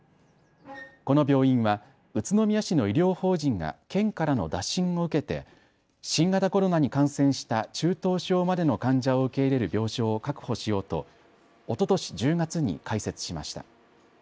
この病院は宇都宮市の医療法人が県からの打診を受けて新型コロナに感染した中等症までの患者を受け入れる病床を確保しようとおととし１０月に開設しました。